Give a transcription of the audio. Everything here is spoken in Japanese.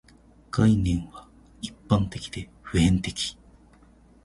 概念は一般的で普遍的